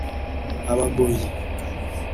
Abagoyi